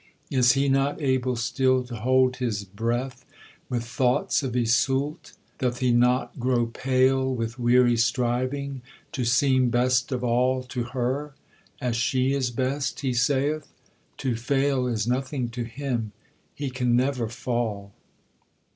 Is he not able still to hold his breath With thoughts of Iseult? doth he not grow pale With weary striving, to seem best of all To her, 'as she is best,' he saith? to fail Is nothing to him, he can never fall.